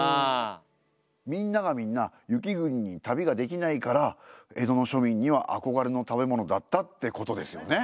みんながみんな雪国に旅ができないから江戸の庶民には憧れの食べ物だったってことですよね？